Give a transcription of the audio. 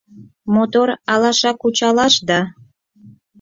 Мотор алаша кучалаш да